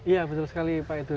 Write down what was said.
iya betul sekali pak edu